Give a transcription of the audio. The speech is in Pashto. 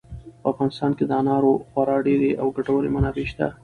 په افغانستان کې د انارو خورا ډېرې او ګټورې منابع شته.